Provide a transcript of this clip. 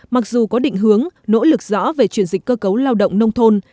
mặc dù có định hướng nỗ lực rõ về chuyển dịch cơ cấu lao động nông thôn